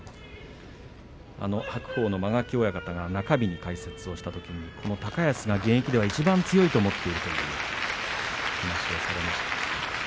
白鵬の間垣親方が中日、解説をしたときに高安が現役ではいちばん強いと思っていたという話をしていました。